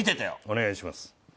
お願いします。